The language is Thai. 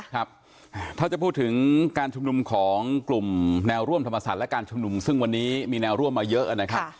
ครับถ้าจะพูดถึงการชุมนุมของกลุ่มแนวร่วมธรรมศาสตร์และการชุมนุมซึ่งวันนี้มีแนวร่วมมาเยอะนะครับ